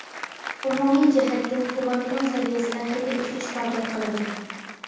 ئومۇمىي جەھەتتىن كوماندىنىڭ سەۋىيەسىدە خېلى ئۆسۈش باردەك قىلىدۇ!